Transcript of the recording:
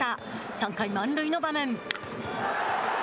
３回、満塁の場面。